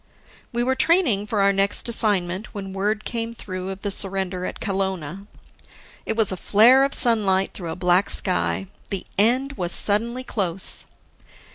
We were training for our next assignment, when word came through of the surrender at Kelowna. It was a flare of sunlight through a black sky. The end was suddenly close.